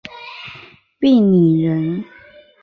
鄙陵人。